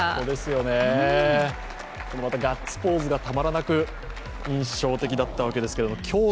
またこのガッツポーズがたまらなく印象的だったんですが。